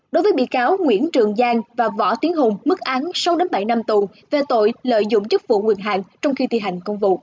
đối với bị cáo nguyễn trường giang và võ tiến hùng mức án sáu bảy năm tù về tội lợi dụng chức vụ quyền hạn trong khi thi hành công vụ